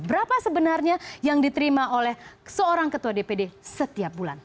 berapa sebenarnya yang diterima oleh seorang ketua dpd setiap bulan